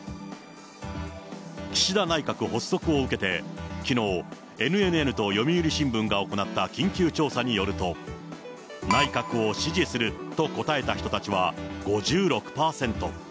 岸田内閣発足を受けて、きのう、ＮＮＮと読売新聞が行った緊急調査によると、内閣を支持すると答えた人たちは５６％。